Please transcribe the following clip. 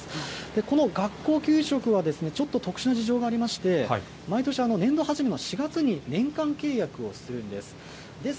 この学校給食はちょっと特殊な事情がありまして、毎年、年度初めの４月に年間契約をするんです。